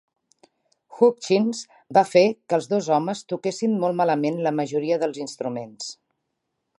Hutchins va fer que els dos homes toquessin molt malament la majoria dels instruments.